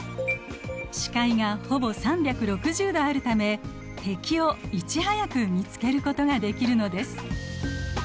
視界がほぼ３６０度あるため敵をいち早く見つけることができるのです。